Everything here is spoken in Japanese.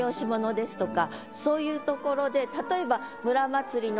そういうところで例えば「村祭」の。